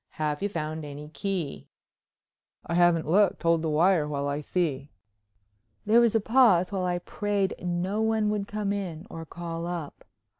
Have you found any key?" "I haven't looked. Hold the wire while I see?" There was a pause while I prayed no one would come in or call up.